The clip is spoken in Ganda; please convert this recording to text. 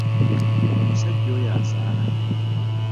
Omusajja oyo azaala?